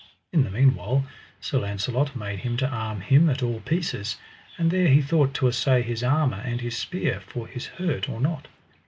In the meanwhile Sir Launcelot made him to arm him at all pieces; and there he thought to assay his armour and his spear, for his hurt or not.